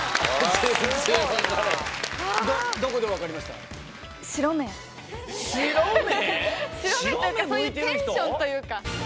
テンションというか。